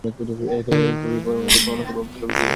এ এক অনাদি অনন্ত ভ্রম চিরকাল ধরে চলেছে।